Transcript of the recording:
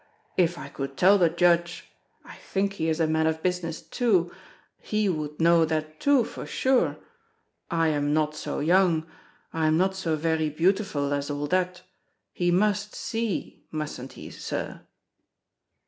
If I could tell the judge—I think he is a man of business too he would know that too, for sure. I am not so young. I am not so veree beautiful as all that; he must see, mustn't he, sir?"